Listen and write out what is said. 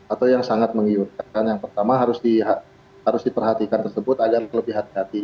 atau yang sangat mengiurkan yang pertama harus diperhatikan tersebut agar lebih hati hati